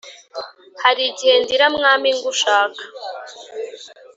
Harigihe ndira mwami ngushaka